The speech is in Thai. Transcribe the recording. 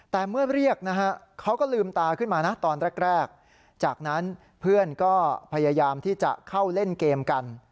แต่เมื่อเรียกนะฮะเขาก็ลืมตาขึ้นมานะตอนแรกจากนั้นเพื่อนก็พยายามที่จะเข้าเล่นเกมกัน